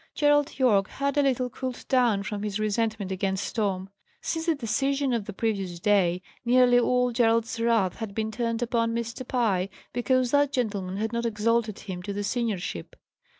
Gerald Yorke had a little cooled down from his resentment against Tom. Since the decision of the previous day, nearly all Gerald's wrath had been turned upon Mr. Pye, because that gentleman had not exalted him to the seniorship.